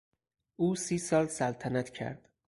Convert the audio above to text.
او سی سال سلطنت کرد.